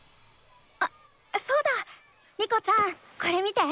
あそうだ。リコちゃんこれ見て。